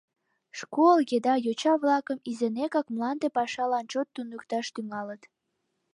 Школ еда йоча-влакым изинекак мланде пашалан чот туныкташ тӱҥалыт.